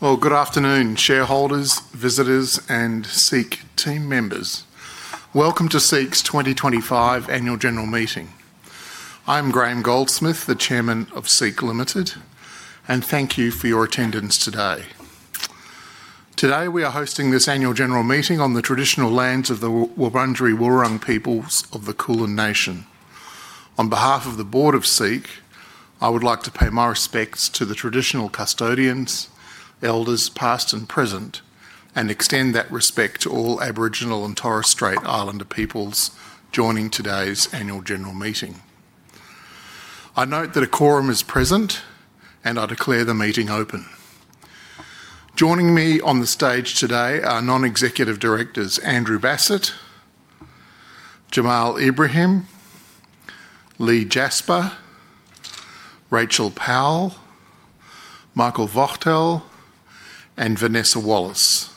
Good afternoon, shareholders, visitors, and SEEK team members. Welcome to SEEK's 2025 Annual General Meeting. I'm Graham Goldsmith, the Chairman of SEEK Limited, and thank you for your attendance today. Today we are hosting this Annual General Meeting on the traditional lands of the Wurundjeri Wurrung peoples of the Kulin Nation. On behalf of the Board of SEEK, I would like to pay my respects to the traditional custodians, elders past and present, and extend that respect to all Aboriginal and Torres Strait Islander peoples joining today's Annual General Meeting. I note that a quorum is present, and I declare the meeting open. Joining me on the stage today are non-executive directors Andrew Bassat, Jamal Ibrahim, Leigh Jasper, Rachel Powell, Michael Vochatzer, and Vanessa Wallace.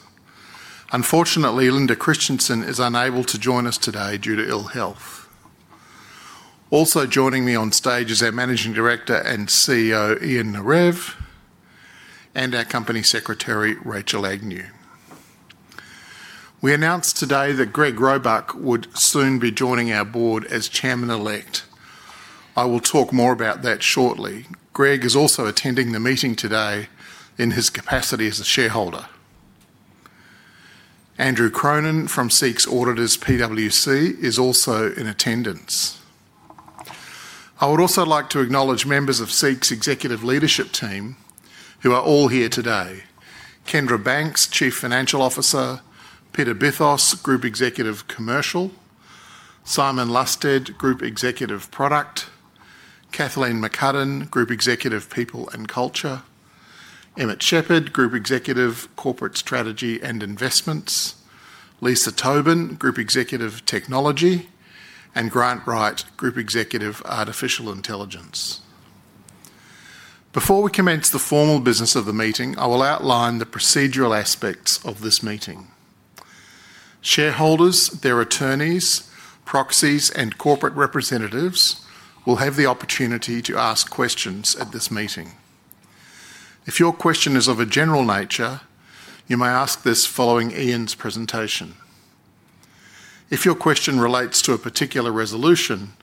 Unfortunately, Linda Kristjanson is unable to join us today due to ill health. Also joining me on stage is our Managing Director and CEO, Ian Narev, and our Company Secretary, Rachel Agnew. We announced today that Greg Robuck would soon be joining our board as Chairman-elect. I will talk more about that shortly. Greg is also attending the meeting today in his capacity as a shareholder. Andrew Cronin from SEEK's auditors, PwC, is also in attendance. I would also like to acknowledge members of SEEK's executive leadership team who are all here today: Kendra Banks, Chief Financial Officer; Peter Bithos, Group Executive Commercial; Simon Lusted, Group Executive Product; Kathleen McCudden, Group Executive People and Culture; Emmett Shepard, Group Executive Corporate Strategy and Investments; Lisa Tobin, Group Executive Technology; and Grant Wright, Group Executive Artificial Intelligence. Before we commence the formal business of the meeting, I will outline the procedural aspects of this meeting. Shareholders, their attorneys, proxies, and corporate representatives will have the opportunity to ask questions at this meeting. If your question is of a general nature, you may ask this following Ian's presentation. If your question relates to a particular resolution,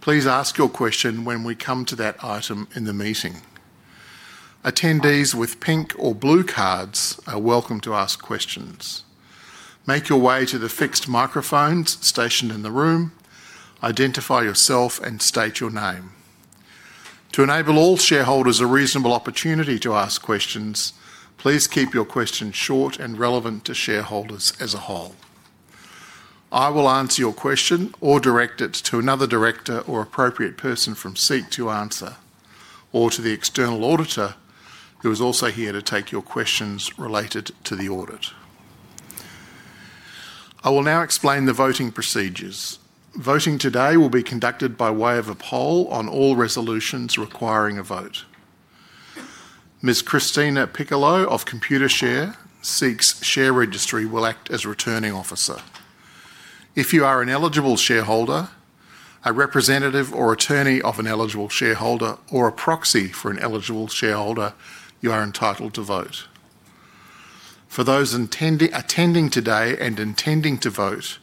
please ask your question when we come to that item in the meeting. Attendees with pink or blue cards are welcome to ask questions. Make your way to the fixed microphones stationed in the room, identify yourself, and state your name. To enable all shareholders a reasonable opportunity to ask questions, please keep your questions short and relevant to shareholders as a whole. I will answer your question or direct it to another director or appropriate person from SEEK to answer, or to the external auditor who is also here to take your questions related to the audit. I will now explain the voting procedures. Voting today will be conducted by way of a poll on all resolutions requiring a vote. Ms. Christina Piccolo of Computershare, SEEK's share registry, will act as returning officer. If you are an eligible shareholder, a representative or attorney of an eligible shareholder, or a proxy for an eligible shareholder, you are entitled to vote. For those attending today and intending to vote,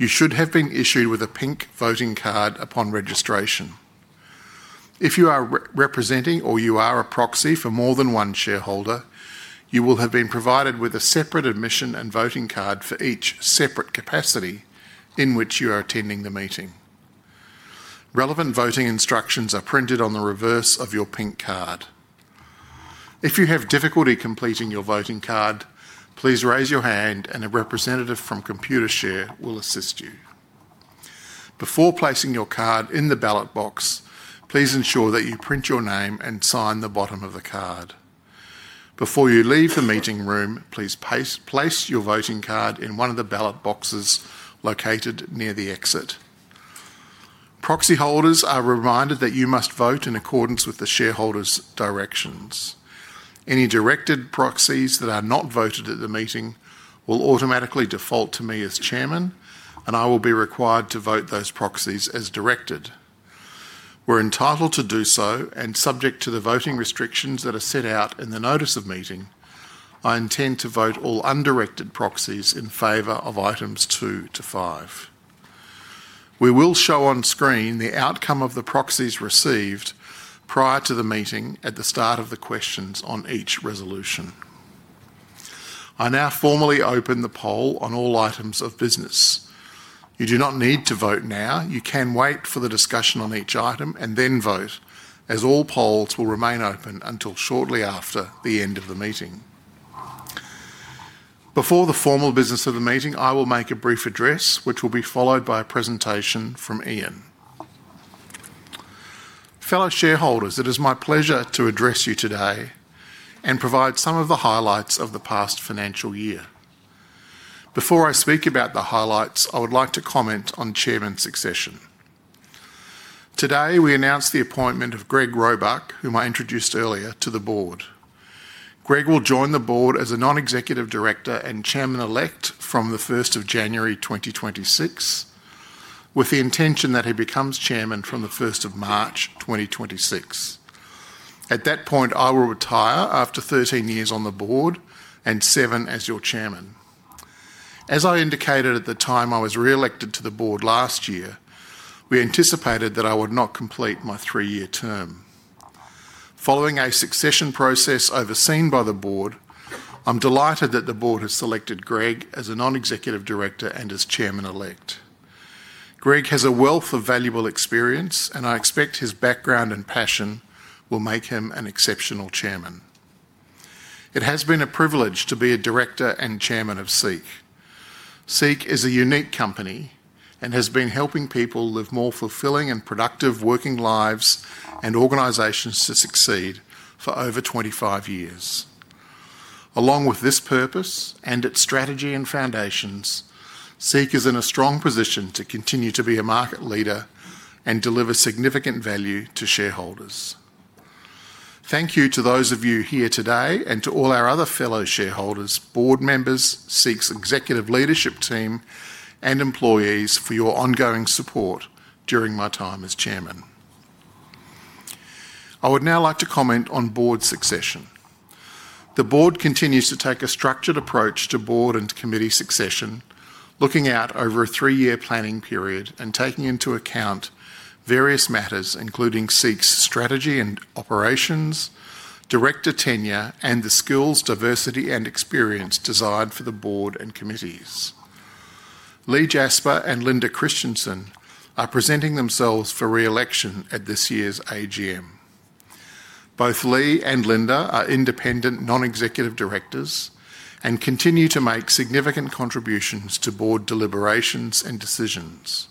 you should have been issued with a pink voting card upon registration. If you are representing or you are a proxy for more than one shareholder, you will have been provided with a separate admission and voting card for each separate capacity in which you are attending the meeting. Relevant voting instructions are printed on the reverse of your pink card. If you have difficulty completing your voting card, please raise your hand, and a representative from Computershare will assist you. Before placing your card in the ballot box, please ensure that you print your name and sign the bottom of the card. Before you leave the meeting room, please place your voting card in one of the ballot boxes located near the exit. Proxy holders are reminded that you must vote in accordance with the shareholders' directions. Any directed proxies that are not voted at the meeting will automatically default to me as Chairman, and I will be required to vote those proxies as directed. We are entitled to do so, and subject to the voting restrictions that are set out in the notice of meeting, I intend to vote all undirected proxies in favor of items two to five. We will show on screen the outcome of the proxies received prior to the meeting at the start of the questions on each resolution. I now formally open the poll on all items of business. You do not need to vote now. You can wait for the discussion on each item and then vote, as all polls will remain open until shortly after the end of the meeting. Before the formal business of the meeting, I will make a brief address, which will be followed by a presentation from Ian. Fellow shareholders, it is my pleasure to address you today and provide some of the highlights of the past financial year. Before I speak about the highlights, I would like to comment on Chairman's succession. Today we announced the appointment of Greg Robuck, whom I introduced earlier, to the board. Greg will join the board as a non-executive director and Chairman-elect from the 1st of January 2026, with the intention that he becomes Chairman from the 1st of March 2026. At that point, I will retire after 13 years on the board and seven as your Chairman. As I indicated at the time I was re-elected to the board last year, we anticipated that I would not complete my three-year term. Following a succession process overseen by the board, I'm delighted that the board has selected Greg as a non-executive director and as Chairman-elect. Greg has a wealth of valuable experience, and I expect his background and passion will make him an exceptional Chairman. It has been a privilege to be a director and Chairman of SEEK. SEEK is a unique company and has been helping people live more fulfilling and productive working lives and organizations to succeed for over 25 years. Along with this purpose and its strategy and foundations, SEEK is in a strong position to continue to be a market leader and deliver significant value to shareholders. Thank you to those of you here today and to all our other fellow shareholders, board members, SEEK's executive leadership team, and employees for your ongoing support during my time as Chairman. I would now like to comment on board succession. The board continues to take a structured approach to board and committee succession, looking out over a three-year planning period and taking into account various matters, including SEEK's strategy and operations, director tenure, and the skills, diversity, and experience desired for the board and committees. Leigh Jasper and Linda Kristjanson are presenting themselves for re-election at this year's AGM. Both Leigh and Linda are independent non-executive directors and continue to make significant contributions to board deliberations and decisions.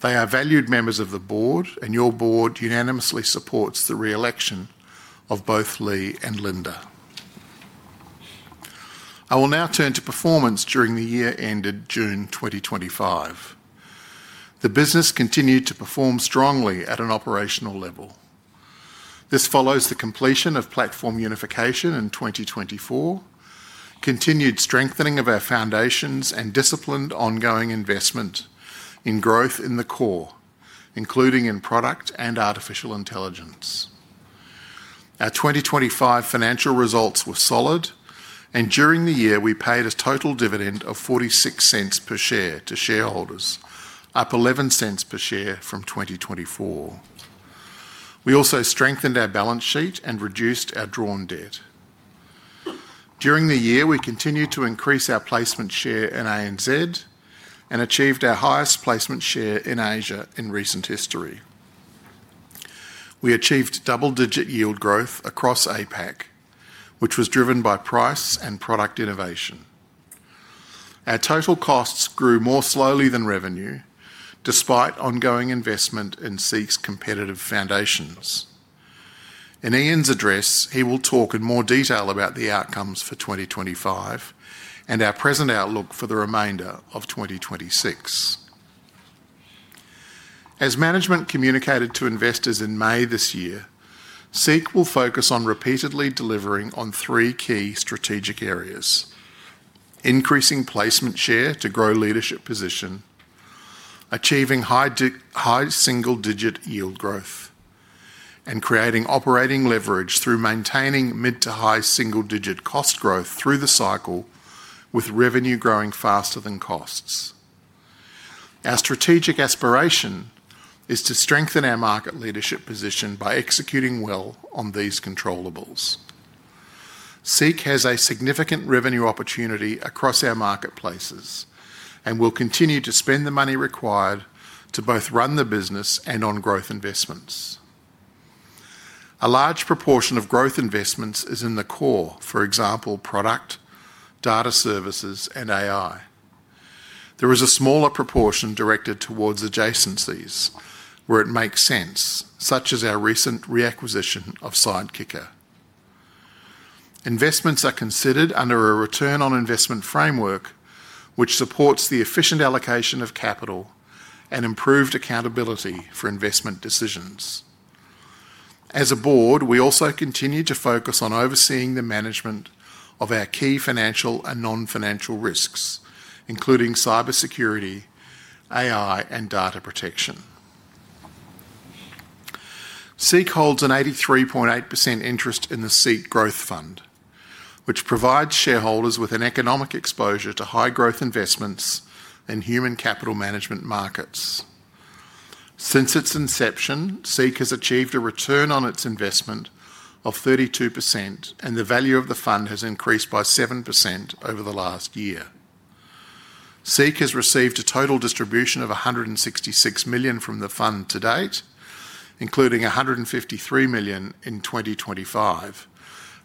They are valued members of the board, and your board unanimously supports the re-election of both Leigh and Linda. I will now turn to performance during the year ended June 2025. The business continued to perform strongly at an operational level. This follows the completion of platform unification in 2024, continued strengthening of our foundations, and disciplined ongoing investment in growth in the core, including in product and artificial intelligence. Our 2025 financial results were solid, and during the year, we paid a total dividend of 0.46 per share to shareholders, up 0.11 per share from 2024. We also strengthened our balance sheet and reduced our drawn debt. During the year, we continued to increase our placement share in ANZ and achieved our highest placement share in Asia in recent history. We achieved double-digit yield growth across APAC, which was driven by price and product innovation. Our total costs grew more slowly than revenue, despite ongoing investment in SEEK's competitive foundations. In Ian's address, he will talk in more detail about the outcomes for 2025 and our present outlook for the remainder of 2026. As management communicated to investors in May this year, SEEK will focus on repeatedly delivering on three key strategic areas: increasing placement share to grow leadership position, achieving high single-digit yield growth, and creating operating leverage through maintaining mid to high single-digit cost growth through the cycle, with revenue growing faster than costs. Our strategic aspiration is to strengthen our market leadership position by executing well on these controllables. SEEK has a significant revenue opportunity across our marketplaces and will continue to spend the money required to both run the business and on growth investments. A large proportion of growth investments is in the core, for example, product, data services, and AI. There is a smaller proportion directed towards adjacencies where it makes sense, such as our recent reacquisition of Sidekicker. Investments are considered under a return on investment framework, which supports the efficient allocation of capital and improved accountability for investment decisions. As a board, we also continue to focus on overseeing the management of our key financial and non-financial risks, including cybersecurity, AI, and data protection. SEEK holds an 83.8% interest in the SEEK Growth Fund, which provides shareholders with an economic exposure to high-growth investments and human capital management markets. Since its inception, SEEK has achieved a return on its investment of 32%, and the value of the fund has increased by 7% over the last year. SEEK has received a total distribution of 166 million from the fund to date, including 153 million in 2025,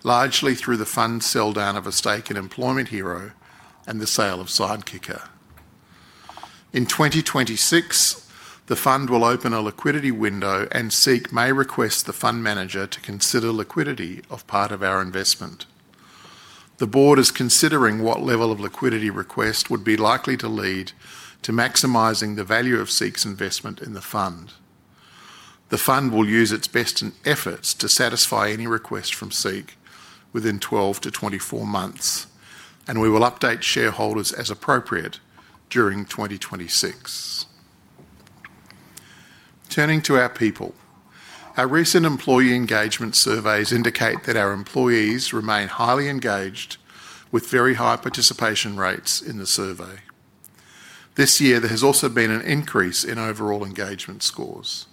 largely through the fund's sell down of a stake in Employment Hero and the sale of Sidekicker. In 2026, the fund will open a liquidity window, and SEEK may request the fund manager to consider liquidity of part of our investment. The board is considering what level of liquidity request would be likely to lead to maximizing the value of SEEK's investment in the fund. The fund will use its best efforts to satisfy any request from SEEK within 12-24 months, and we will update shareholders as appropriate during 2026. Turning to our people, our recent employee engagement surveys indicate that our employees remain highly engaged, with very high participation rates in the survey. This year, there has also been an increase in overall engagement scores.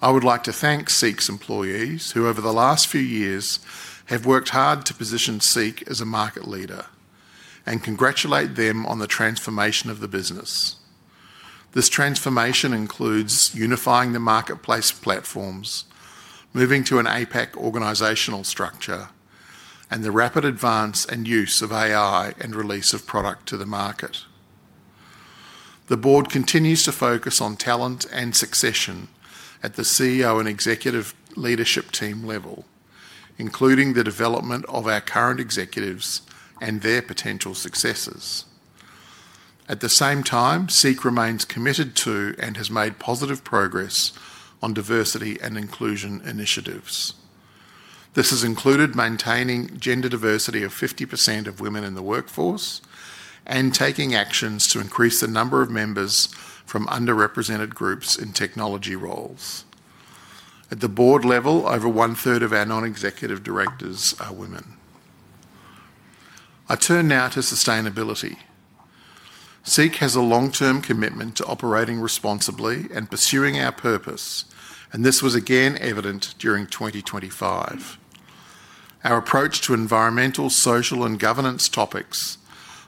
I would like to thank SEEK's employees, who over the last few years have worked hard to position SEEK as a market leader, and congratulate them on the transformation of the business. This transformation includes unifying the marketplace platforms, moving to an APAC organizational structure, and the rapid advance and use of AI and release of product to the market. The board continues to focus on talent and succession at the CEO and executive leadership team level, including the development of our current executives and their potential successors. At the same time, SEEK remains committed to and has made positive progress on diversity and inclusion initiatives. This has included maintaining gender diversity of 50% of women in the workforce and taking actions to increase the number of members from underrepresented groups in technology roles. At the board level, over one-third of our non-executive directors are women. I turn now to sustainability. SEEK has a long-term commitment to operating responsibly and pursuing our purpose, and this was again evident during 2025. Our approach to environmental, social, and governance topics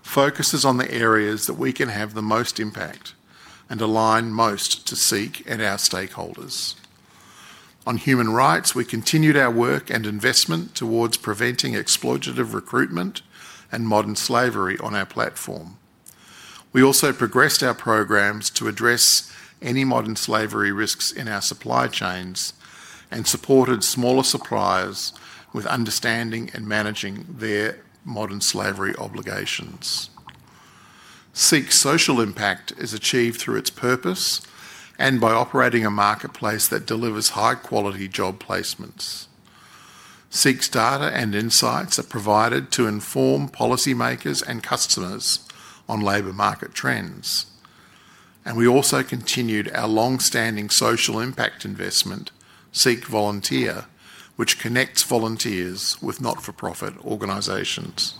focuses on the areas that we can have the most impact and align most to SEEK and our stakeholders. On human rights, we continued our work and investment towards preventing exploitative recruitment and modern slavery on our platform. We also progressed our programs to address any modern slavery risks in our supply chains and supported smaller suppliers with understanding and managing their modern slavery obligations. SEEK's social impact is achieved through its purpose and by operating a marketplace that delivers high-quality job placements. SEEK's data and insights are provided to inform policymakers and customers on labor market trends. We also continued our long-standing social impact investment, SEEK Volunteer, which connects volunteers with not-for-profit organizations.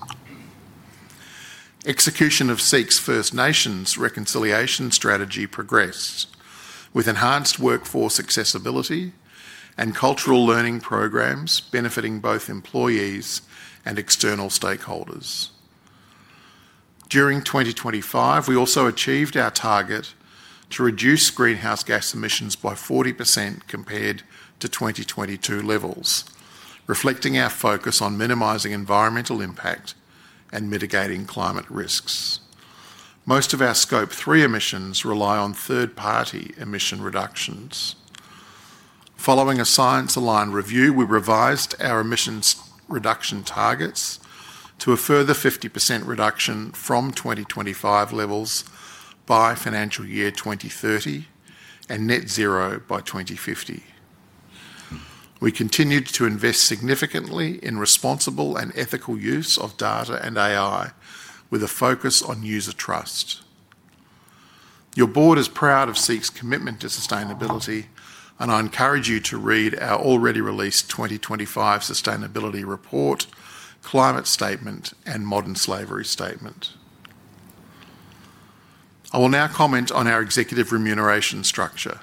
Execution of SEEK's First Nations reconciliation strategy progressed with enhanced workforce accessibility and cultural learning programs benefiting both employees and external stakeholders. During 2025, we also achieved our target to reduce greenhouse gas emissions by 40% compared to 2022 levels, reflecting our focus on minimizing environmental impact and mitigating climate risks. Most of our scope three emissions rely on third-party emission reductions. Following a science-aligned review, we revised our emissions reduction targets to a further 50% reduction from 2025 levels by financial year 2030 and net zero by 2050. We continued to invest significantly in responsible and ethical use of data and AI, with a focus on user trust. Your Board is proud of SEEK's commitment to sustainability, and I encourage you to read our already released 2025 Sustainability Report, Climate Statement, and Modern Slavery Statement. I will now comment on our executive remuneration structure.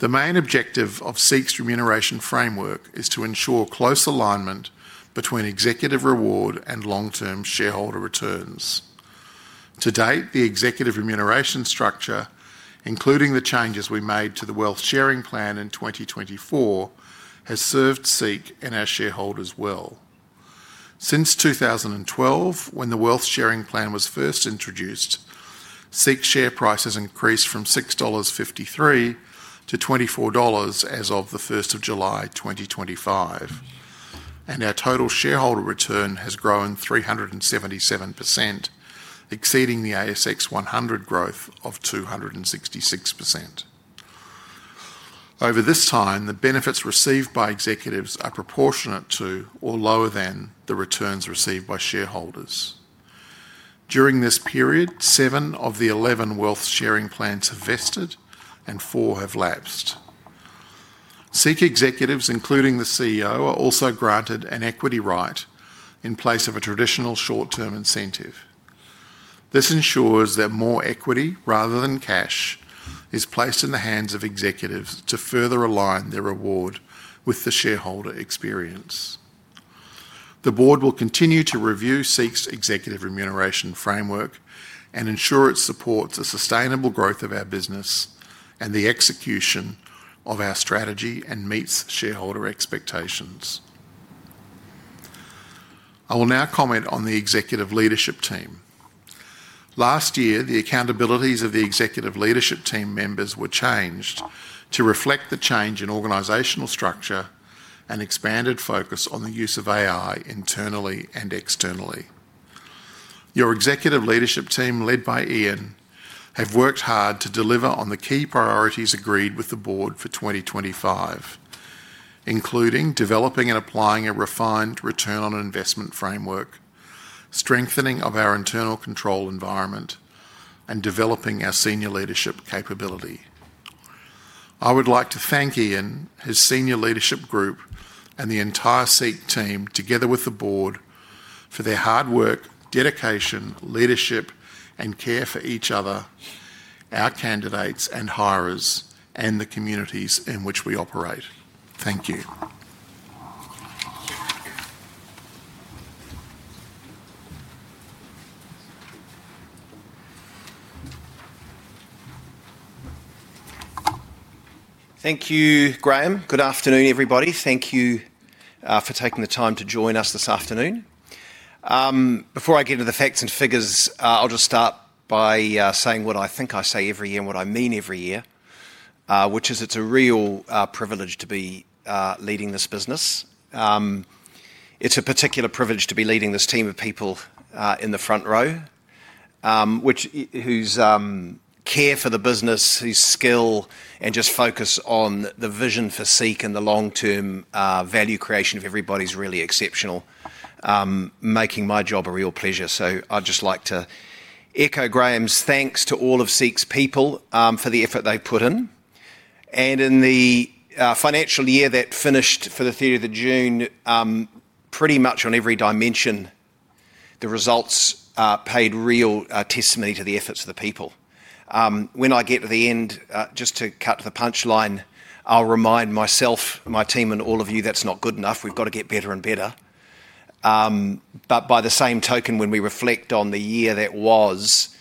The main objective of SEEK's remuneration framework is to ensure close alignment between executive reward and long-term shareholder returns. To date, the executive remuneration structure, including the changes we made to the Wealth Sharing Plan in 2024, has served SEEK and our shareholders well. Since 2012, when the Wealth Sharing Plan was first introduced, SEEK's share price has increased from 6.53 dollars to 24 dollars as of the 1st of July 2025, and our total shareholder return has grown 377%, exceeding the ASX 100 growth of 266%. Over this time, the benefits received by executives are proportionate to or lower than the returns received by shareholders. During this period, seven of the 11 Wealth Sharing Plans have vested and four have lapsed. SEEK executives, including the CEO, are also granted an equity right in place of a traditional short-term incentive. This ensures that more equity, rather than cash, is placed in the hands of executives to further align their reward with the shareholder experience. The board will continue to review SEEK's executive remuneration framework and ensure it supports a sustainable growth of our business and the execution of our strategy and meets shareholder expectations. I will now comment on the executive leadership team. Last year, the accountabilities of the executive leadership team members were changed to reflect the change in organizational structure and expanded focus on the use of AI internally and externally. Your executive leadership team, led by Ian, have worked hard to deliver on the key priorities agreed with the board for 2025, including developing and applying a refined return on investment framework, strengthening of our internal control environment, and developing our senior leadership capability. I would like to thank Ian, his senior leadership group, and the entire SEEK team, together with the board, for their hard work, dedication, leadership, and care for each other, our candidates and hirers, and the communities in which we operate. Thank you. Thank you, Graham. Good afternoon, everybody. Thank you for taking the time to join us this afternoon. Before I get into the facts and figures, I'll just start by saying what I think I say every year and what I mean every year, which is it's a real privilege to be leading this business. It's a particular privilege to be leading this team of people in the front row, whose care for the business, whose skill, and just focus on the vision for SEEK and the long-term value creation of everybody is really exceptional, making my job a real pleasure. I'd just like to echo Graham's thanks to all of SEEK's people for the effort they've put in. In the financial year that finished for the 3rd of June, pretty much on every dimension, the results paid real testimony to the efforts of the people. When I get to the end, just to cut to the punchline, I'll remind myself, my team, and all of you that's not good enough. We've got to get better and better. By the same token, when we reflect on the year that was,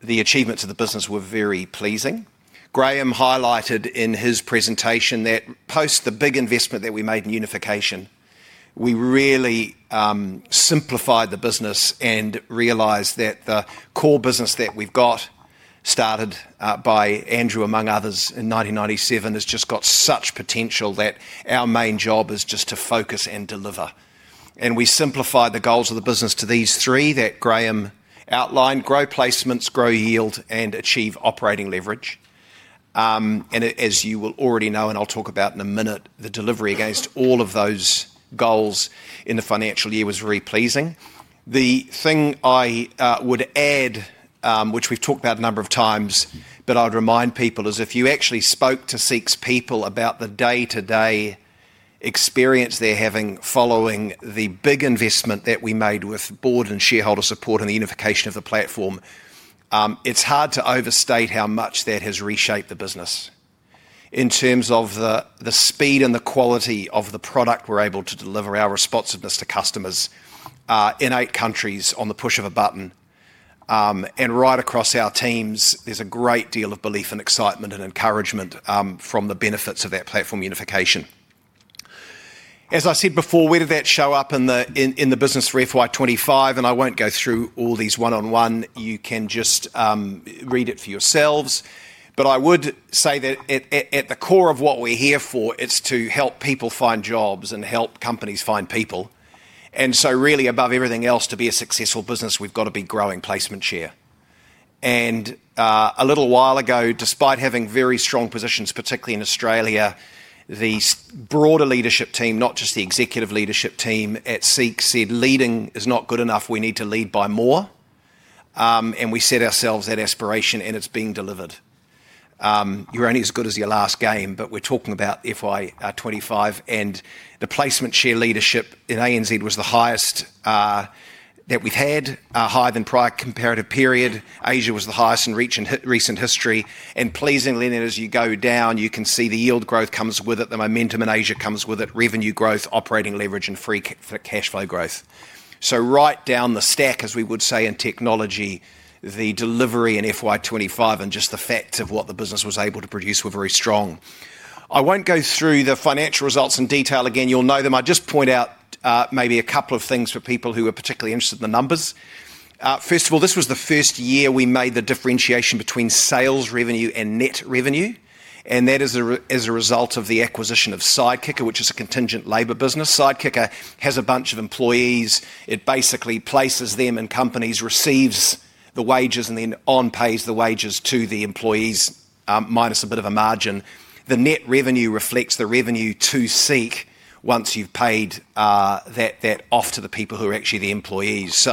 the achievements of the business were very pleasing. Graham highlighted in his presentation that post the big investment that we made in unification, we really simplified the business and realized that the core business that we've got, started by Andrew, among others, in 1997, has just got such potential that our main job is just to focus and deliver. We simplified the goals of the business to these three that Graham outlined: grow placements, grow yield, and achieve operating leverage. As you will already know, and I'll talk about in a minute, the delivery against all of those goals in the financial year was very pleasing. The thing I would add, which we've talked about a number of times, but I'd remind people is if you actually spoke to SEEK's people about the day-to-day experience they're having following the big investment that we made with board and shareholder support and the unification of the platform, it's hard to overstate how much that has reshaped the business in terms of the speed and the quality of the product we're able to deliver, our responsiveness to customers in eight countries on the push of a button. Right across our teams, there's a great deal of belief and excitement and encouragement from the benefits of that platform unification. As I said before, where did that show up in the business for FY2025? I will not go through all these one-on-one. You can just read it for yourselves. I would say that at the core of what we are here for is to help people find jobs and help companies find people. Really, above everything else, to be a successful business, we have got to be growing placement share. A little while ago, despite having very strong positions, particularly in Australia, the broader leadership team, not just the executive leadership team at SEEK, said leading is not good enough. We need to lead by more. We set ourselves that aspiration, and it is being delivered. You are only as good as your last game, but we are talking about FY2025. The placement share leadership in ANZ was the highest that we have had, higher than the prior comparative period. Asia was the highest in recent history. Pleasingly, as you go down, you can see the yield growth comes with it, the momentum in Asia comes with it, revenue growth, operating leverage, and free cash flow growth. Right down the stack, as we would say in technology, the delivery in FY2025 and just the fact of what the business was able to produce were very strong. I will not go through the financial results in detail. Again, you will know them. I will just point out maybe a couple of things for people who are particularly interested in the numbers. First of all, this was the first year we made the differentiation between sales revenue and net revenue. That is as a result of the acquisition of Sidekicker, which is a contingent labor business. Sidekicker has a bunch of employees. It basically places them in companies, receives the wages, and then onpays the wages to the employees, minus a bit of a margin. The net revenue reflects the revenue to SEEK once you've paid that off to the people who are actually the employees.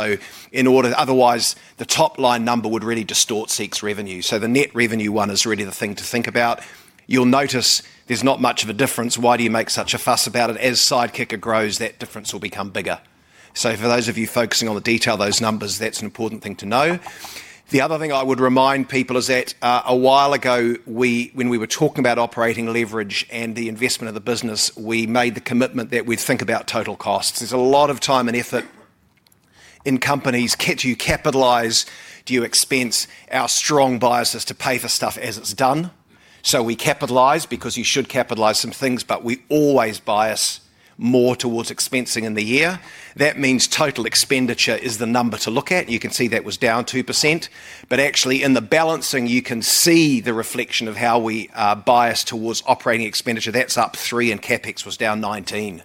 In order otherwise, the top-line number would really distort SEEK's revenue. The net revenue one is really the thing to think about. You'll notice there's not much of a difference. Why do you make such a fuss about it? As Sidekicker grows, that difference will become bigger. For those of you focusing on the detail, those numbers, that's an important thing to know. The other thing I would remind people is that a while ago, when we were talking about operating leverage and the investment of the business, we made the commitment that we'd think about total costs. There's a lot of time and effort in companies. Do you capitalize? Do you expense? Our strong bias is to pay for stuff as it's done. So we capitalize because you should capitalize some things, but we always bias more towards expensing in the year. That means total expenditure is the number to look at. You can see that was down 2%. But actually, in the balancing, you can see the reflection of how we bias towards operating expenditure. That's up 3%, and CapEx was down 19%.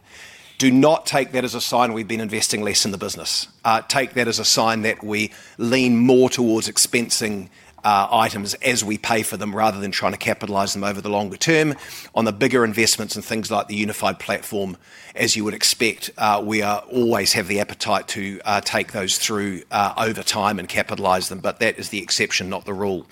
Do not take that as a sign we've been investing less in the business. Take that as a sign that we lean more towards expensing items as we pay for them rather than trying to capitalize them over the longer term. On the bigger investments and things like the unified platform, as you would expect, we always have the appetite to take those through over time and capitalize them. That is the exception, not the rule.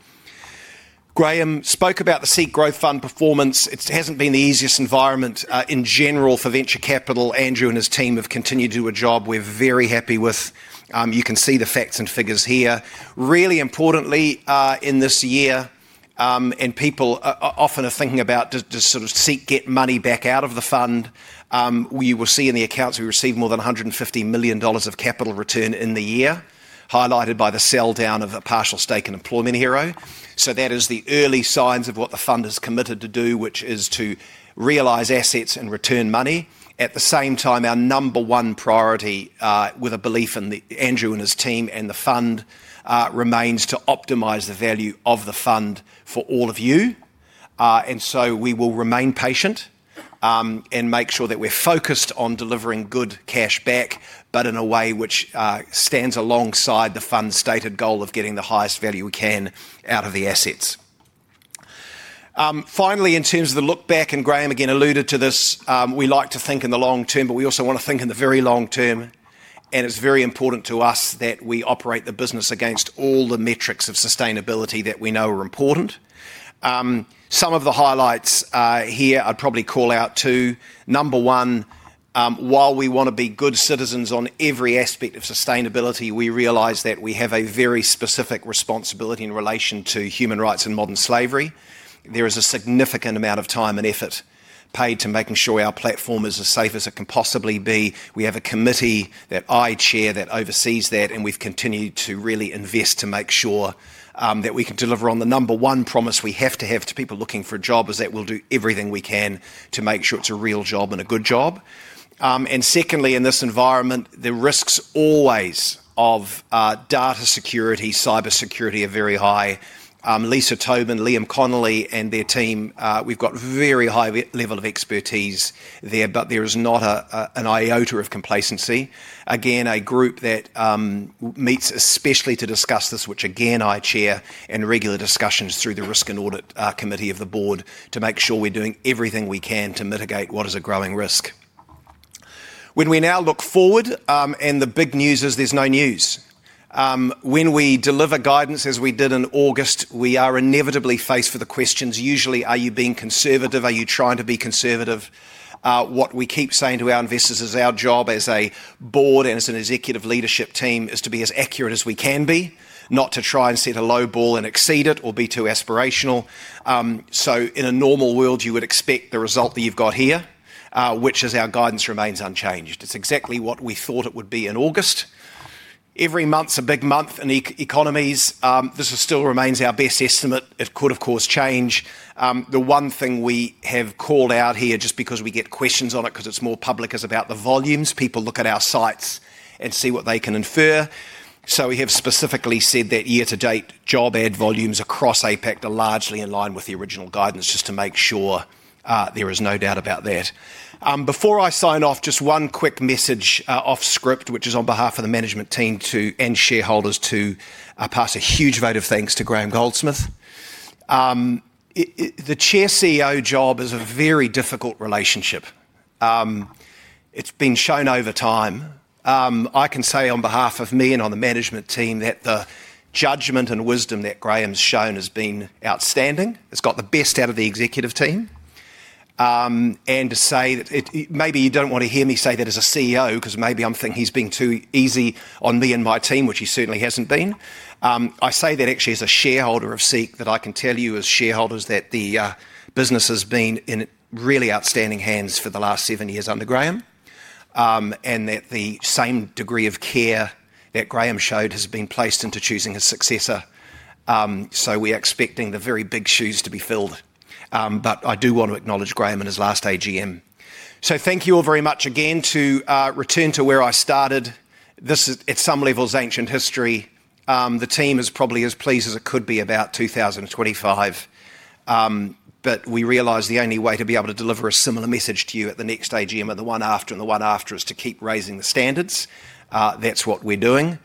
Graham spoke about the SEEK Growth Fund performance. It hasn't been the easiest environment in general for venture capital. Andrew and his team have continued to do a job. We're very happy with you can see the facts and figures here. Really importantly, in this year, and people often are thinking about just sort of SEEK getting money back out of the fund, you will see in the accounts we received more than 150 million dollars of capital return in the year, highlighted by the sell down of a partial stake in Employment Hero. That is the early signs of what the fund has committed to do, which is to realize assets and return money. At the same time, our number one priority, with a belief in Andrew and his team and the fund, remains to optimize the value of the fund for all of you. We will remain patient and make sure that we're focused on delivering good cash back, but in a way which stands alongside the fund's stated goal of getting the highest value we can out of the assets. Finally, in terms of the look back, and Graham again alluded to this, we like to think in the long term, but we also want to think in the very long term. It is very important to us that we operate the business against all the metrics of sustainability that we know are important. Some of the highlights here I'd probably call out two. Number one, while we want to be good citizens on every aspect of sustainability, we realize that we have a very specific responsibility in relation to human rights and modern slavery. There is a significant amount of time and effort paid to making sure our platform is as safe as it can possibly be. We have a committee that I chair that oversees that, and we've continued to really invest to make sure that we can deliver on the number one promise we have to have to people looking for a job is that we'll do everything we can to make sure it's a real job and a good job. Secondly, in this environment, the risks always of data security, cybersecurity are very high. Lisa Tobin, Liam Connolly and their team, we've got a very high level of expertise there, but there is not an iota of complacency. Again, a group that meets especially to discuss this, which again I chair, and regular discussions through the Risk and Audit Committee of the board to make sure we're doing everything we can to mitigate what is a growing risk. When we now look forward, and the big news is there's no news. When we deliver guidance, as we did in August, we are inevitably faced with the questions, usually, are you being conservative? Are you trying to be conservative? What we keep saying to our investors is our job as a board and as an executive leadership team is to be as accurate as we can be, not to try and set a low ball and exceed it or be too aspirational. In a normal world, you would expect the result that you have got here, which is our guidance remains unchanged. It is exactly what we thought it would be in August. Every month is a big month in economies. This still remains our best estimate. It could, of course, change. The one thing we have called out here, just because we get questions on it because it is more public, is about the volumes. People look at our sites and see what they can infer. We have specifically said that year-to-date job ad volumes across APAC are largely in line with the original guidance, just to make sure there is no doubt about that. Before I sign off, just one quick message off script, which is on behalf of the management team and shareholders to pass a huge vote of thanks to Graham Goldsmith. The Chair-CEO job is a very difficult relationship. It's been shown over time. I can say on behalf of me and on the management team that the judgment and wisdom that Graham's shown has been outstanding. It's got the best out of the executive team. Maybe you don't want to hear me say that as a CEO because maybe I'm thinking he's being too easy on me and my team, which he certainly hasn't been. I say that actually as a shareholder of SEEK that I can tell you as shareholders that the business has been in really outstanding hands for the last seven years under Graham, and that the same degree of care that Graham showed has been placed into choosing his successor. We are expecting the very big shoes to be filled. I do want to acknowledge Graham and his last AGM. Thank you all very much again to return to where I started. This is, at some levels, ancient history. The team is probably as pleased as it could be about 2025. We realize the only way to be able to deliver a similar message to you at the next AGM and the one after and the one after is to keep raising the standards. That is what we are doing.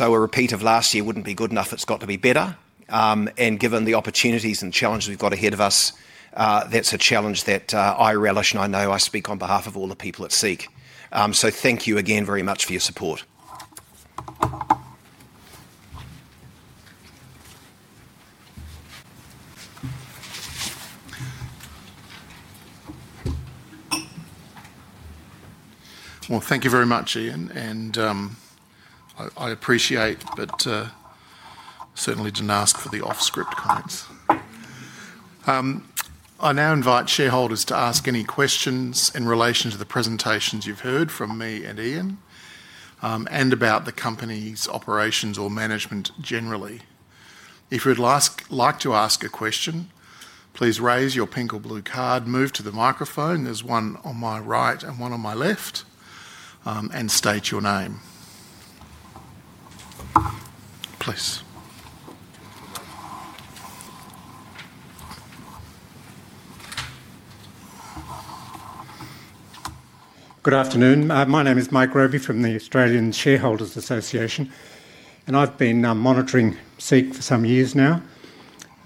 A repeat of last year would not be good enough. It has got to be better. Given the opportunities and challenges we have got ahead of us, that is a challenge that I relish, and I know I speak on behalf of all the people at SEEK. Thank you again very much for your support. Thank you very much, Ian. I appreciate it, but certainly did not ask for the off-script comments. I now invite shareholders to ask any questions in relation to the presentations you have heard from me and Ian and about the company's operations or management generally. If you would like to ask a question, please raise your pink or blue card, move to the microphone. There is one on my right and one on my left. And state your name, please. Good afternoon. My name is Mike Grove from the Australian Shareholders Association. I have been monitoring SEEK for some years now.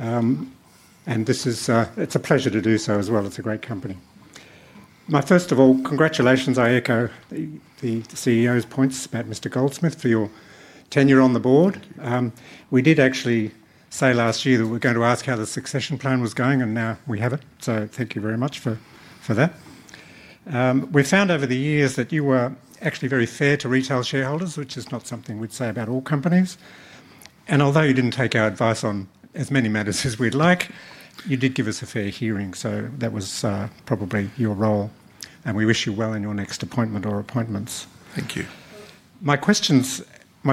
It is a pleasure to do so as well. It is a great company. First of all, congratulations. I echo the CEO's points about Mr. Goldsmith for your tenure on the board. We did actually say last year that we were going to ask how the succession plan was going, and now we have it. Thank you very much for that. We found over the years that you were actually very fair to retail shareholders, which is not something we'd say about all companies. Although you didn't take our advice on as many matters as we'd like, you did give us a fair hearing. That was probably your role. We wish you well in your next appointment or appointments. Thank you. My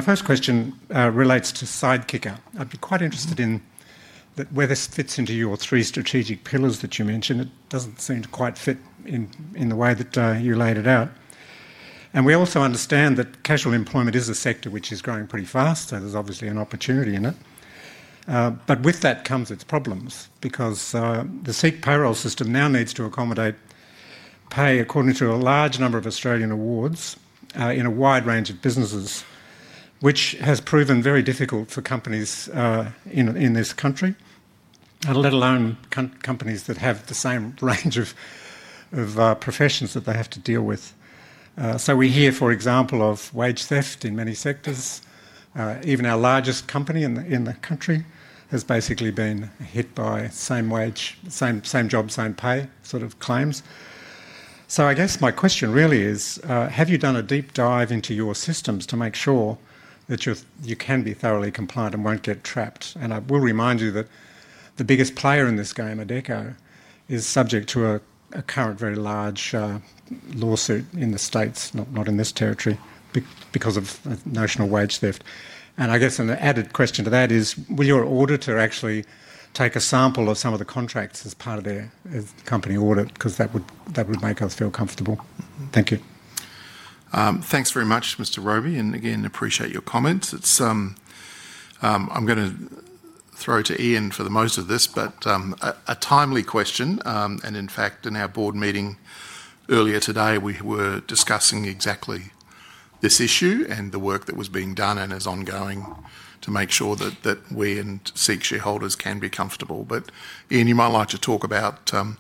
first question relates to Sidekicker. I'd be quite interested in where this fits into your three strategic pillars that you mentioned. It doesn't seem to quite fit in the way that you laid it out. We also understand that casual employment is a sector which is growing pretty fast. There's obviously an opportunity in it. With that comes its problems because the SEEK payroll system now needs to accommodate pay according to a large number of Australian awards in a wide range of businesses, which has proven very difficult for companies in this country, let alone companies that have the same range of professions that they have to deal with. We hear, for example, of wage theft in many sectors. Even our largest company in the country has basically been hit by same wage, same job, same pay sort of claims. I guess my question really is, have you done a deep dive into your systems to make sure that you can be thoroughly compliant and will not get trapped? I will remind you that the biggest player in this game, Adecco, is subject to a current very large lawsuit in the States, not in this territory, because of national wage theft. I guess an added question to that is, will your auditor actually take a sample of some of the contracts as part of their company audit? Because that would make us feel comfortable. Thank you. Thanks very much, Mr. Grove. Again, appreciate your comments. I'm going to throw to Ian for most of this, but a timely question. In fact, in our board meeting earlier today, we were discussing exactly this issue and the work that was being done and is ongoing to make sure that we and SEEK shareholders can be comfortable. Ian, you might like to talk about the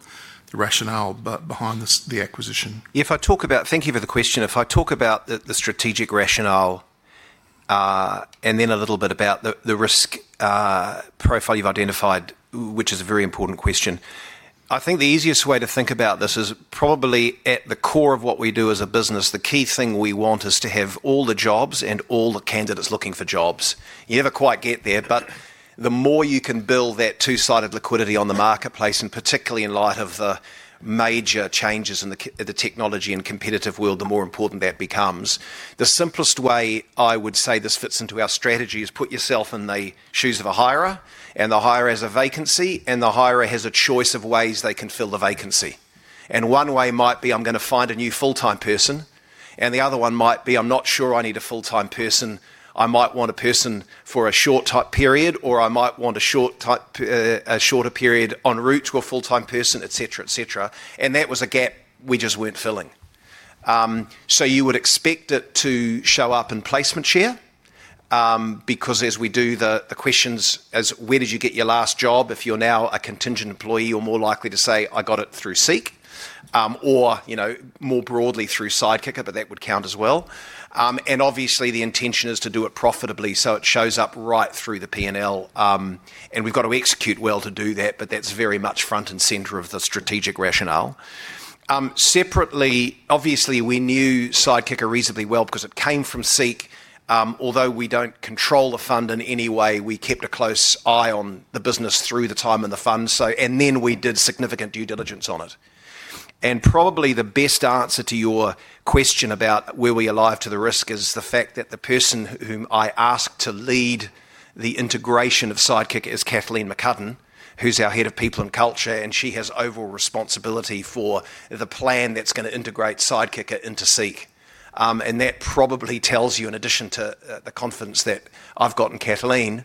rationale behind the acquisition. If I talk about thank you for the question. If I talk about the strategic rationale and then a little bit about the risk profile you've identified, which is a very important question, I think the easiest way to think about this is probably at the core of what we do as a business, the key thing we want is to have all the jobs and all the candidates looking for jobs. You never quite get there. The more you can build that two-sided liquidity on the marketplace, and particularly in light of the major changes in the technology and competitive world, the more important that becomes. The simplest way I would say this fits into our strategy is put yourself in the shoes of a hirer, and the hirer has a vacancy, and the hirer has a choice of ways they can fill the vacancy. One way might be, I'm going to find a new full-time person. The other one might be, I'm not sure I need a full-time person. I might want a person for a short-type period, or I might want a shorter period en route to a full-time person, etc., etc. That was a gap we just were not filling. You would expect it to show up in placement share because as we do the questions as, where did you get your last job if you're now a contingent employee, you're more likely to say, I got it through SEEK, or more broadly through Sidekicker, but that would count as well. The intention is to do it profitably so it shows up right through the P&L. We have to execute well to do that, but that's very much front and center of the strategic rationale. Separately, obviously, we knew Sidekicker reasonably well because it came from SEEK. Although we do not control the fund in any way, we kept a close eye on the business through the time in the fund. We did significant due diligence on it. Probably the best answer to your question about where we arrive to the risk is the fact that the person whom I asked to lead the integration of Sidekicker is Kathleen McCudden, who is our Head of People and Culture, and she has overall responsibility for the plan that is going to integrate Sidekicker into SEEK. That probably tells you, in addition to the confidence that I have in Kathleen,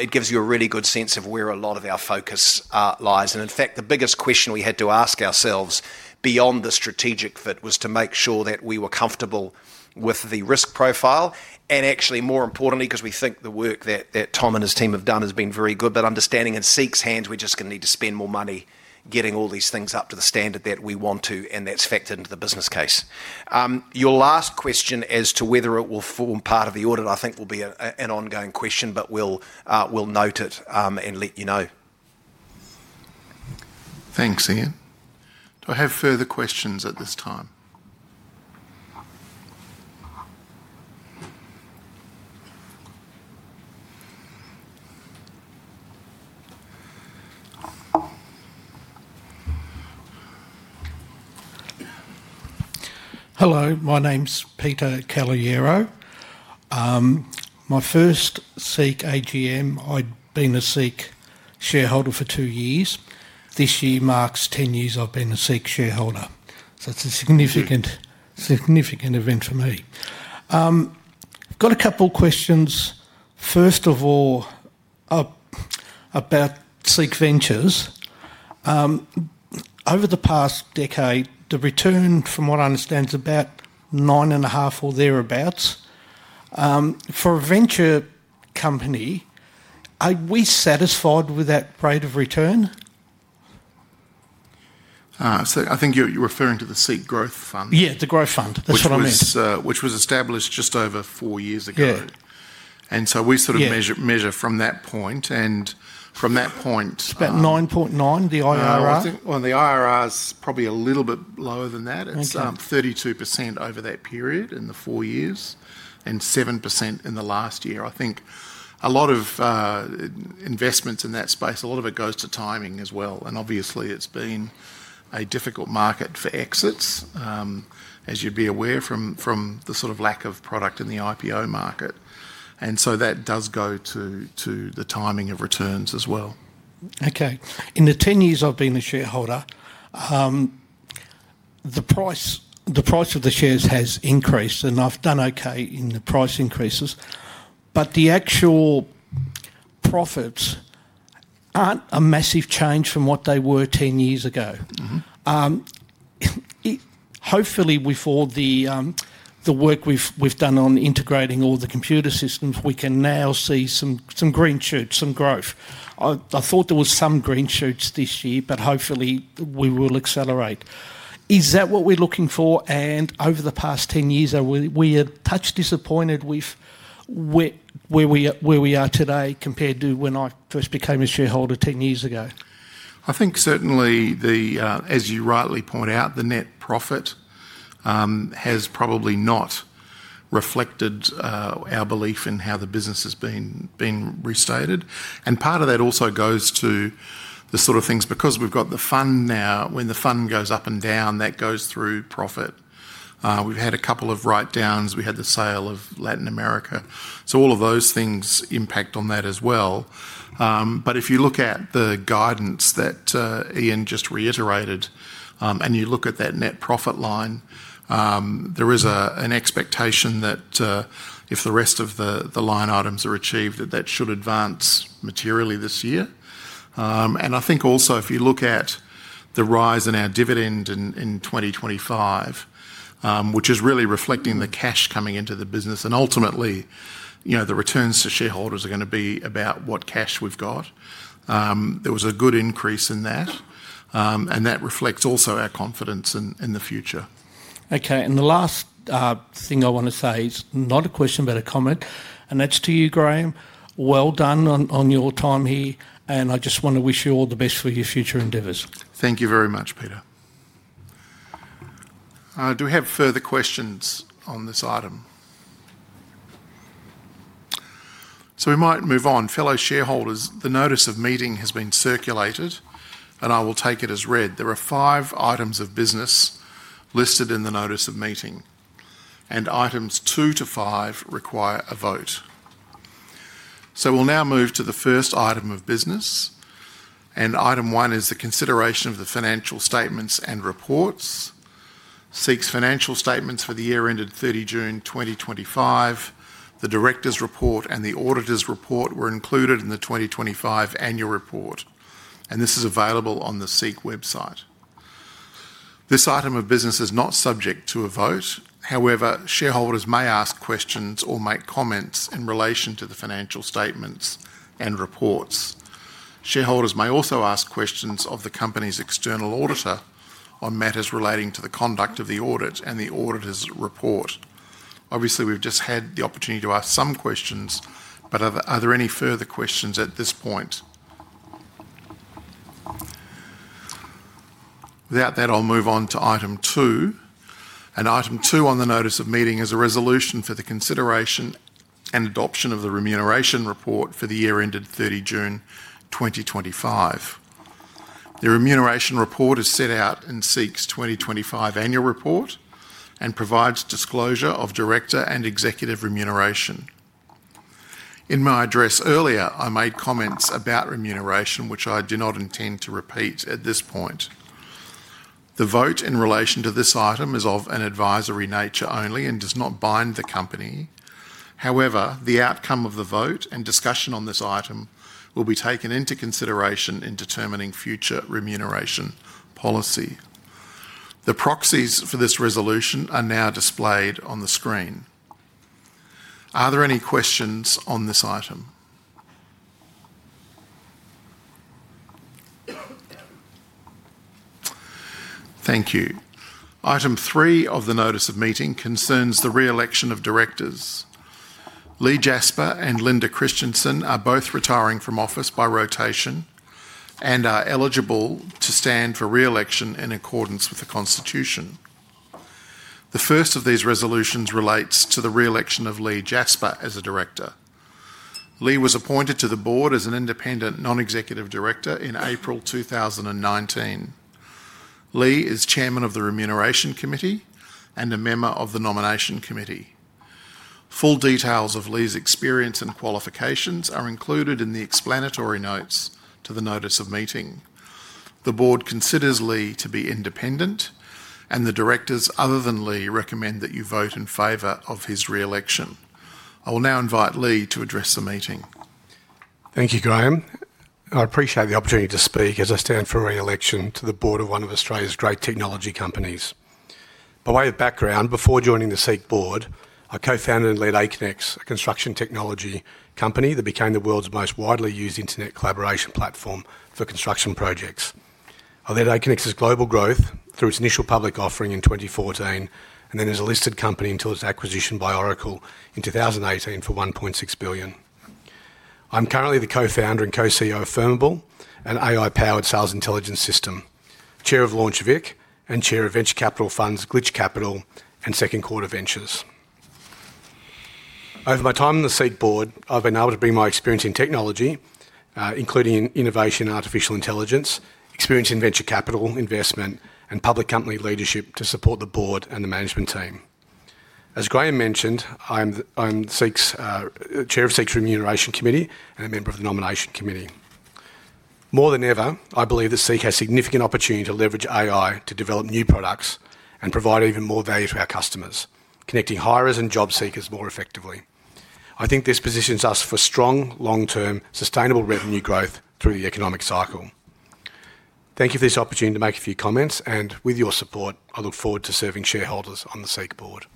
it gives you a really good sense of where a lot of our focus lies. In fact, the biggest question we had to ask ourselves beyond the strategic fit was to make sure that we were comfortable with the risk profile. Actually, more importantly, because we think the work that Tom and his team have done has been very good, but understanding in SEEK's hands, we're just going to need to spend more money getting all these things up to the standard that we want to, and that's factored into the business case. Your last question as to whether it will form part of the audit, I think will be an ongoing question, but we'll note it and let you know. Thanks, Ian. Do I have further questions at this time? Hello. My name's Peter Calliero. My first SEEK AGM, I'd been a SEEK shareholder for two years. This year marks 10 years I've been a SEEK shareholder. It's a significant event for me. Got a couple of questions. First of all, about SEEK Ventures. Over the past decade, the return from what I understand is about 9.5 or thereabouts. For a venture company, are we satisfied with that rate of return? I think you're referring to the SEEK Growth Fund. Yeah, the Growth Fund. That's what I meant. Which was established just over four years ago. We sort of measure from that point. From that point, it's about 9.9, the IRR. The IRR is probably a little bit lower than that. It's 32% over that period in the four years and 7% in the last year. I think a lot of investments in that space, a lot of it goes to timing as well. Obviously, it's been a difficult market for exits, as you'd be aware from the sort of lack of product in the IPO market. That does go to the timing of returns as well. Okay. In the 10 years I've been the shareholder, the price of the shares has increased, and I've done okay in the price increases. The actual profits aren't a massive change from what they were 10 years ago. Hopefully, with all the work we've done on integrating all the computer systems, we can now see some green shoots, some growth. I thought there were some green shoots this year, but hopefully, we will accelerate. Is that what we're looking for? Over the past 10 years, are we touched disappointed with where we are today compared to when I first became a shareholder 10 years ago? I think certainly, as you rightly point out, the net profit has probably not reflected our belief in how the business has been restated. Part of that also goes to the sort of things because we have got the fund now, when the fund goes up and down, that goes through profit. We have had a couple of write-downs. We had the sale of Latin America. All of those things impact on that as well. If you look at the guidance that Ian just reiterated, and you look at that net profit line, there is an expectation that if the rest of the line items are achieved, that that should advance materially this year. I think also, if you look at the rise in our dividend in 2025, which is really reflecting the cash coming into the business, and ultimately, the returns to shareholders are going to be about what cash we've got. There was a good increase in that. That reflects also our confidence in the future. The last thing I want to say is not a question, but a comment. That is to you, Graham. Well done on your time here. I just want to wish you all the best for your future endeavors. Thank you very much, Peter. Do we have further questions on this item? We might move on. Fellow shareholders, the notice of meeting has been circulated, and I will take it as read. There are five items of business listed in the notice of meeting, and items two to five require a vote. We will now move to the first item of business. Item one is the consideration of the financial statements and reports. SEEK's financial statements for the year ended 30 June 2025, the directors' report, and the auditor's report were included in the 2025 annual report. This is available on the SEEK website. This item of business is not subject to a vote. However, shareholders may ask questions or make comments in relation to the financial statements and reports. Shareholders may also ask questions of the company's external auditor on matters relating to the conduct of the audit and the auditor's report. Obviously, we have just had the opportunity to ask some questions, but are there any further questions at this point? Without that, I will move on to item two. Item two on the notice of meeting is a resolution for the consideration and adoption of the remuneration report for the year ended 30 June 2025. The remuneration report is set out in SEEK's 2025 annual report and provides disclosure of director and executive remuneration. In my address earlier, I made comments about remuneration, which I do not intend to repeat at this point. The vote in relation to this item is of an advisory nature only and does not bind the company. However, the outcome of the vote and discussion on this item will be taken into consideration in determining future remuneration policy. The proxies for this resolution are now displayed on the screen. Are there any questions on this item? Thank you. Item three of the notice of meeting concerns the re-election of directors. Leigh Jasper and Linda Kristjanson are both retiring from office by rotation and are eligible to stand for re-election in accordance with the Constitution. The first of these resolutions relates to the re-election of Leigh Jasper as a director. Leigh was appointed to the board as an independent non-executive director in April 2019. Leigh is Chairman of the Remuneration Committee and a member of the Nomination Committee. Full details of Leigh's experience and qualifications are included in the explanatory notes to the notice of meeting. The board considers Leigh to be independent, and the directors other than Leigh recommend that you vote in favor of his re-election. I will now invite Leigh to address the meeting. Thank you, Graham. I appreciate the opportunity to speak as I stand for re-election to the board of one of Australia's great technology companies. By way of background, before joining the SEEK board, I co-founded and led Aconex, a construction technology company that became the world's most widely used internet collaboration platform for construction projects. I led Aconex's global growth through its initial public offering in 2014, and then as a listed company until its acquisition by Oracle in 2018 for 1.6 billion. I'm currently the co-founder and co-CEO of Firmable, an AI-powered sales intelligence system, chair of LaunchVic and chair of venture capital funds Glitch Capital and Second Quarter Ventures. Over my time on the SEEK board, I've been able to bring my experience in technology, including innovation and artificial intelligence, experience in venture capital investment, and public company leadership to support the board and the management team. As Graham mentioned, I'm the chair of SEEK's remuneration committee and a member of the nomination committee. More than ever, I believe that SEEK has significant opportunity to leverage AI to develop new products and provide even more value to our customers, connecting hirers and job seekers more effectively. I think this positions us for strong, long-term, sustainable revenue growth through the economic cycle. Thank you for this opportunity to make a few comments, and with your support, I look forward to serving shareholders on the SEEK board.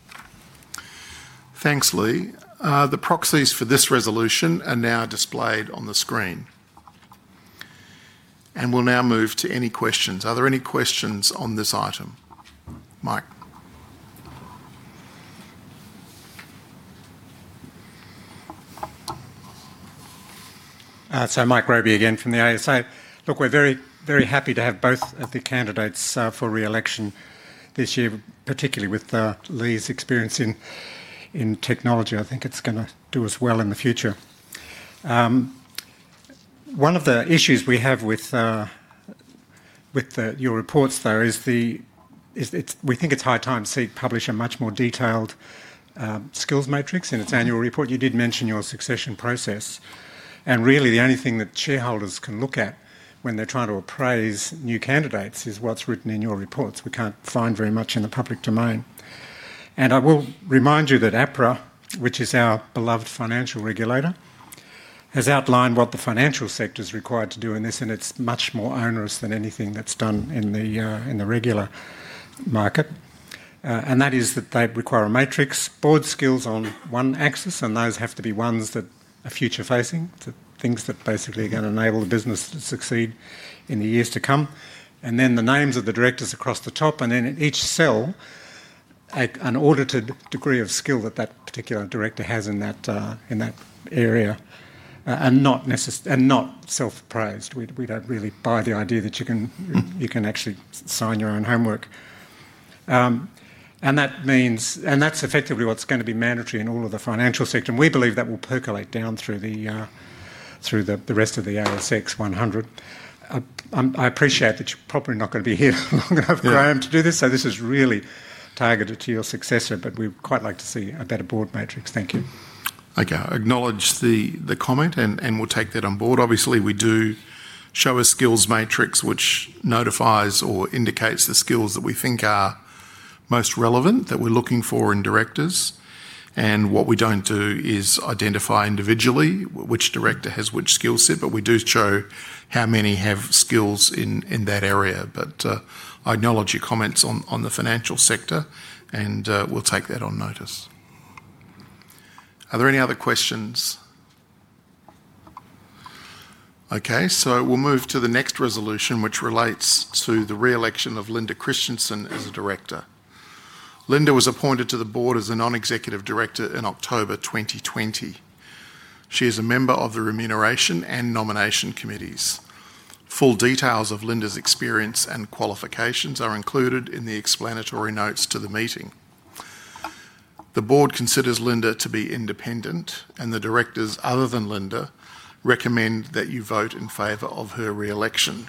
Thanks, Leigh. The proxies for this resolution are now displayed on the screen. We will now move to any questions. Are there any questions on this item? Mike. Mike Roby again from the ASA. Look, we are very, very happy to have both of the candidates for re-election this year, particularly with Leigh's experience in technology. I think it is going to do us well in the future. One of the issues we have with your reports, though, is we think it is high time SEEK published a much more detailed skills matrix in its annual report. You did mention your succession process. Really, the only thing that shareholders can look at when they are trying to appraise new candidates is what is written in your reports. We cannot find very much in the public domain. I will remind you that APRA, which is our beloved financial regulator, has outlined what the financial sector is required to do in this, and it is much more onerous than anything that is done in the regular market. That is that they require a matrix, board skills on one axis, and those have to be ones that are future-facing, things that basically are going to enable the business to succeed in the years to come. The names of the directors across the top, and then each cell, an audited degree of skill that that particular director has in that area and not self-appraised. We do not really buy the idea that you can actually sign your own homework. That is effectively what is going to be mandatory in all of the financial sector. We believe that will percolate down through the rest of the ASX 100. I appreciate that you are probably not going to be here long enough, Graham, to do this. This is really targeted to your successor, but we would quite like to see a better board matrix. Thank you. I acknowledge the comment and will take that on board. Obviously, we do show a skills matrix which notifies or indicates the skills that we think are most relevant that we are looking for in directors. What we do not do is identify individually which director has which skill set, but we do show how many have skills in that area. I acknowledge your comments on the financial sector, and we will take that on notice. Are there any other questions? Okay. We will move to the next resolution, which relates to the re-election of Linda Kristjanson as a director. Linda was appointed to the board as a non-executive director in October 2020. She is a member of the remuneration and nomination committees. Full details of Linda's experience and qualifications are included in the explanatory notes to the meeting. The board considers Linda to be independent, and the directors other than Linda recommend that you vote in favor of her re-election.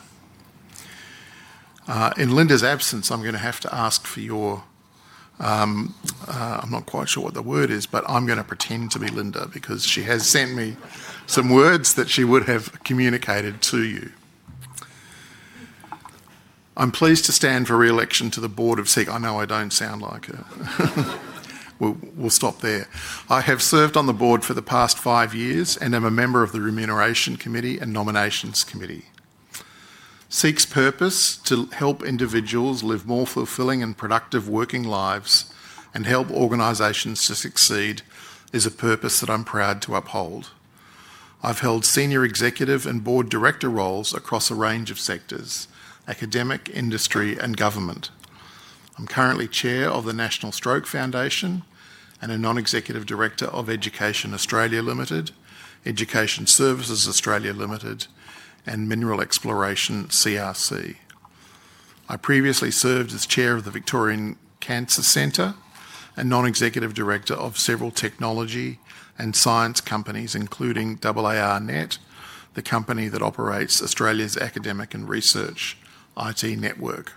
In Linda's absence, I'm going to have to ask for your—I'm not quite sure what the word is, but I'm going to pretend to be Linda because she has sent me some words that she would have communicated to you. I'm pleased to stand for re-election to the board of SEEK. I know I don't sound like it. We'll stop there. I have served on the board for the past five years and am a member of the remuneration committee and nominations committee. SEEK's purpose to help individuals live more fulfilling and productive working lives and help organizations to succeed is a purpose that I'm proud to uphold. I've held senior executive and board director roles across a range of sectors: academic, industry, and government. I'm currently chair of the National Stroke Foundation and a non-executive director of Education Australia Limited, Education Services Australia Limited, and Mineral Exploration CRC. I previously served as Chair of the Victorian Cancer Centre and non-executive director of several technology and science companies, including AARNet, the company that operates Australia's academic and research IT network.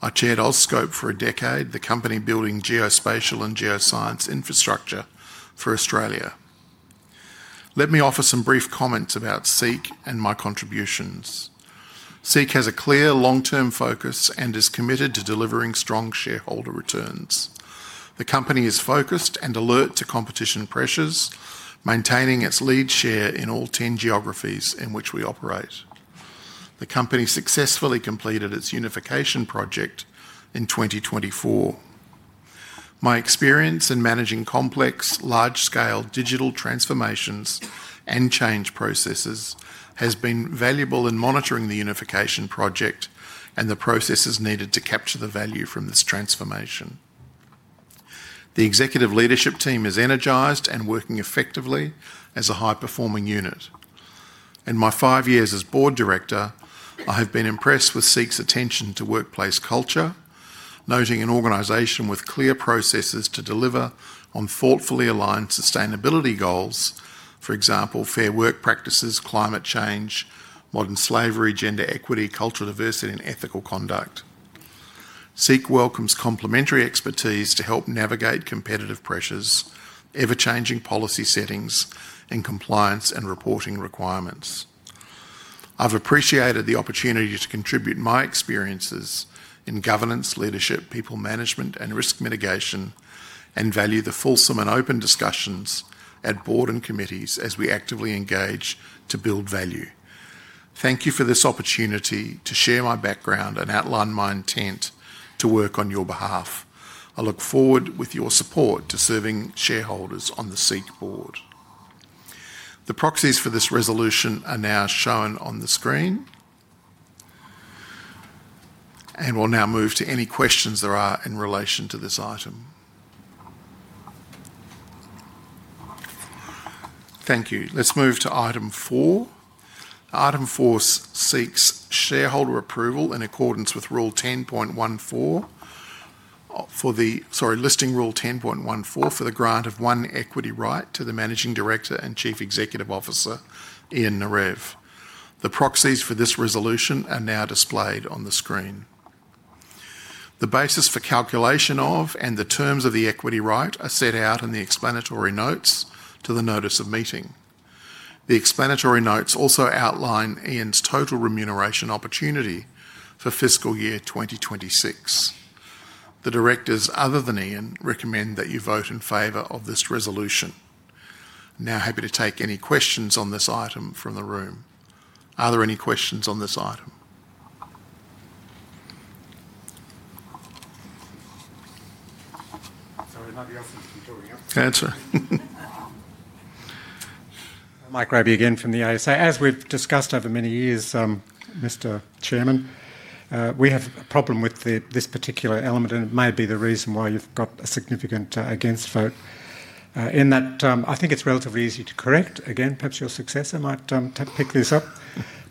I chaired Ozscope for a decade, the company building geospatial and geoscience infrastructure for Australia. Let me offer some brief comments about SEEK and my contributions. SEEK has a clear long-term focus and is committed to delivering strong shareholder returns. The company is focused and alert to competition pressures, maintaining its lead share in all 10 geographies in which we operate. The company successfully completed its unification project in 2024. My experience in managing complex, large-scale digital transformations and change processes has been valuable in monitoring the unification project and the processes needed to capture the value from this transformation. The executive leadership team is energised and working effectively as a high-performing unit. In my five years as board director, I have been impressed with SEEK's attention to workplace culture, noting an organization with clear processes to deliver on thoughtfully aligned sustainability goals, for example, fair work practices, climate change, modern slavery, gender equity, cultural diversity, and ethical conduct. SEEK welcomes complementary expertise to help navigate competitive pressures, ever-changing policy settings, and compliance and reporting requirements. I've appreciated the opportunity to contribute my experiences in governance, leadership, people management, and risk mitigation, and value the fulsome and open discussions at board and committees as we actively engage to build value. Thank you for this opportunity to share my background and outline my intent to work on your behalf. I look forward with your support to serving shareholders on the SEEK board. The proxies for this resolution are now shown on the screen. We will now move to any questions there are in relation to this item. Thank you. Let's move to item four. Item four seeks shareholder approval in accordance with listing rule 10.14 for the grant of one equity right to the Managing Director and Chief Executive Officer, Ian Narev. The proxies for this resolution are now displayed on the screen. The basis for calculation of and the terms of the equity right are set out in the explanatory notes to the notice of meeting. The explanatory notes also outline Ian's total remuneration opportunity for fiscal year 2026. The directors other than Ian recommend that you vote in favor of this resolution. Now, happy to take any questions on this item from the room. Are there any questions on this item? Sorry, nobody else has been talking. Can't answer. Mike Roby again from the ASA. As we've discussed over many years, Mr. Chairman, we have a problem with this particular element, and it may be the reason why you've got a significant against vote in that I think it's relatively easy to correct. Again, perhaps your successor might pick this up.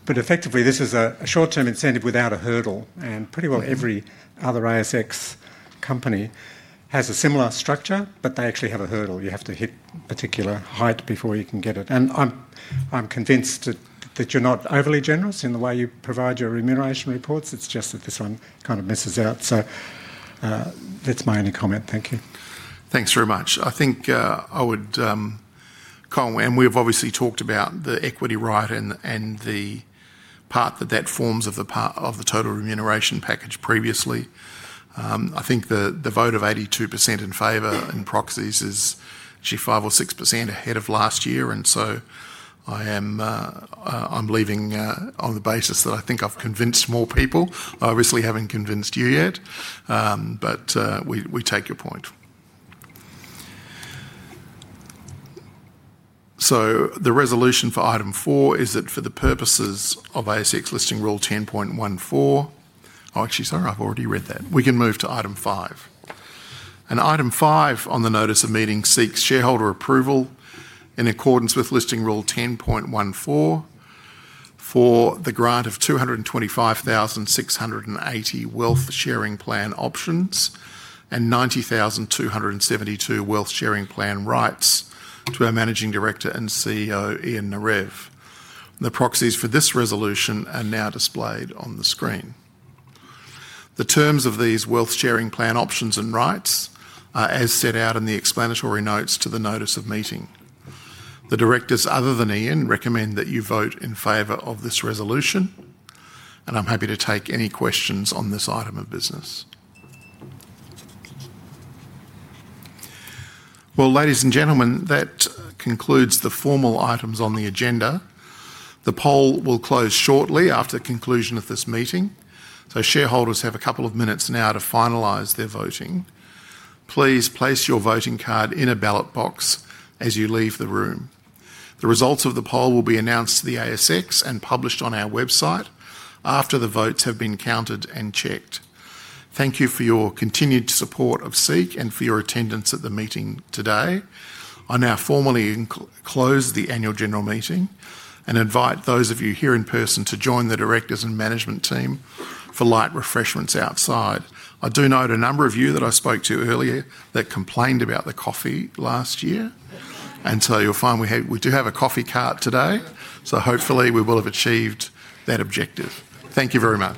Effectively, this is a short-term incentive without a hurdle. Pretty well every other ASX company has a similar structure, but they actually have a hurdle. You have to hit a particular height before you can get it. I'm convinced that you're not overly generous in the way you provide your remuneration reports. It's just that this one kind of misses out. That's my only comment. Thank you. Thanks very much. I think I would call—and we've obviously talked about the equity right and the part that that forms of the total remuneration package previously. I think the vote of 82% in favor in proxies is actually 5 or 6% ahead of last year. I am leaving on the basis that I think I have convinced more people. I obviously have not convinced you yet, but we take your point. The resolution for item four is that for the purposes of ASX listing rule 10.14—oh, actually, sorry, I have already read that. We can move to item five. Item five on the notice of meeting seeks shareholder approval in accordance with listing rule 10.14 for the grant of 225,680 Wealth Sharing Plan options and 90,272 Wealth Sharing Plan rights to our Managing Director and CEO, Ian Narev. The proxies for this resolution are now displayed on the screen. The terms of these Wealth Sharing Plan options and rights are as set out in the explanatory notes to the notice of meeting. The directors other than Ian recommend that you vote in favor of this resolution. I'm happy to take any questions on this item of business. Ladies and gentlemen, that concludes the formal items on the agenda. The poll will close shortly after the conclusion of this meeting. Shareholders have a couple of minutes now to finalize their voting. Please place your voting card in a ballot box as you leave the room. The results of the poll will be announced to the ASX and published on our website after the votes have been counted and checked. Thank you for your continued support of SEEK and for your attendance at the meeting today. I now formally close the annual general meeting and invite those of you here in person to join the directors and management team for light refreshments outside. I do note a number of you that I spoke to earlier that complained about the coffee last year. You will find we do have a coffee cart today. Hopefully we will have achieved that objective. Thank you very much.